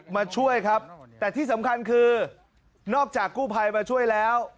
มาช่วยครับแต่ที่สำคัญคือนอกจากกู้ภัยมาช่วยแล้ว